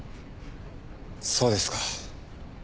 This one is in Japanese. そうですか。